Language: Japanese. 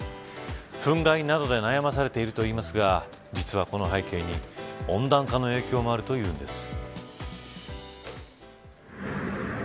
ふん害などで悩まされてるといいますが実はこの背景に温暖化の影響もあるというんです。